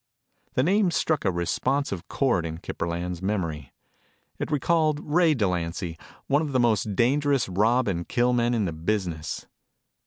The name struck a responsive cord in Kip Burland's memory. It recalled Ray Delancy, one of the most dangerous rob and kill men in the business.